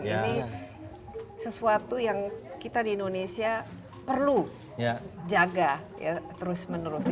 ini sesuatu yang kita di indonesia perlu jaga terus menerus